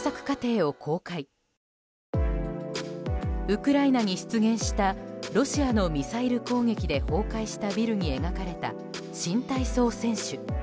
ウクライナに出現したロシアのミサイル攻撃で崩壊したビルに描かれた新体操選手。